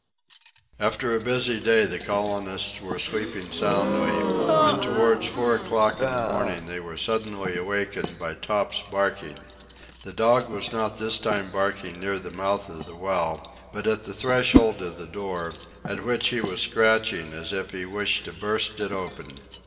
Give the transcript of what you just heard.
After a busy day the colonists were sleeping soundly, when towards four o'clock in the morning they were suddenly awakened by Top's barking. The dog was not this time barking near the mouth of the well, but at the threshold of the door, at which he was scratching as if he wished to burst it open.